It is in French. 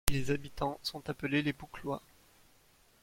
Les habitants sont appelés les Bouclois.